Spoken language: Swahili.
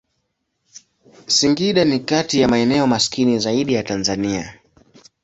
Singida ni kati ya maeneo maskini zaidi ya Tanzania.